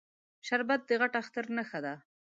شربت د غټ اختر نښه ده